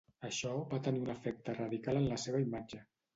Això va tenir un efecte radical en la seva imatge.